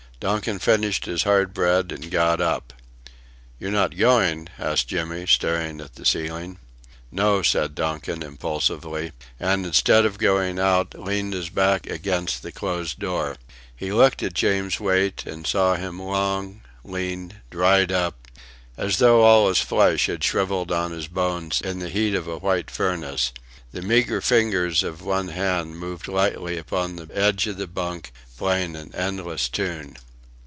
Donkin finished his hard bread and got up. "You're not going?" asked Jimmy, staring at the ceiling. "No," said Donkin, impulsively, and instead of going out leaned his back against the closed door. He looked at James Wait, and saw him long, lean, dried up, as though all his flesh had shrivelled on his bones in the heat of a white furnace; the meagre fingers of one hand moved lightly upon the edge of the bunk playing an endless tune.